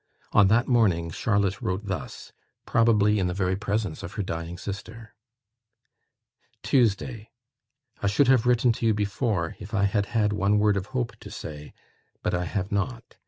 On that morning Charlotte wrote thus probably in the very presence of her dying sister: "Tuesday. "I should have written to you before, if I had had one word of hope to say; but I have not.